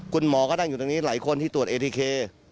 คุณหมอก็นั่งอยู่ตรงนี้หลายคนที่ตรวจเอทีเค